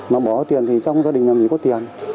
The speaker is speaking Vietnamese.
mà bỏ tiền thì trong gia đình là mình có tiền